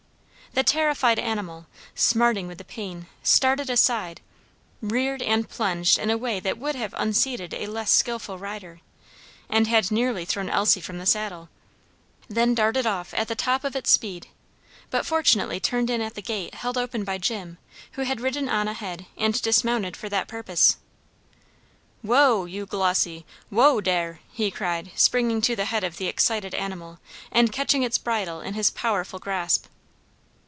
The terrified animal, smarting with the pain, started aside, reared and plunged in a way that would have unseated a less skilful rider, and had nearly thrown Elsie from the saddle: then darted off at the top of its speed; but fortunately turned in at the gate held open by Jim, who had ridden on ahead and dismounted for that purpose. "Whoa, you Glossy! whoa dere!" he cried, springing to the head of the excited animal, and catching its bridle in his powerful grasp.